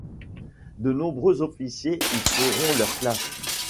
De nombreux officiers y feront leurs classes.